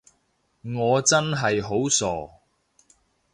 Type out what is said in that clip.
我真係好傻